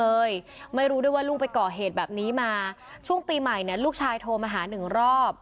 เลยไม่รู้ด้วยว่าลูกไปก่อเหตุแบบนี้มาช่วงปีใหม่เนี่ยลูกชายโทรมาหาหนึ่งรอบ